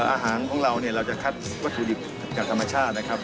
อาหารของเราเนี่ยเราจะคัดวัตถุดิบจากธรรมชาตินะครับ